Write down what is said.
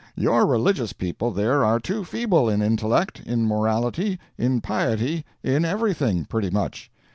Your religious people there are too feeble, in intellect, in morality, in piety in everything, pretty much.